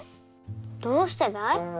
どうしてだい？